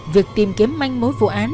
việc tìm kiếm manh mối vụ án